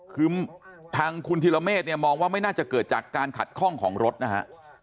คือทางคุณธิรเมฆเนี่ยมองว่าไม่น่าจะเกิดจากการขัดข้องของรถนะฮะ